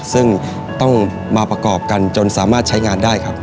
ซึ่งต้องมาประกอบกันจนสามารถใช้งานได้ครับ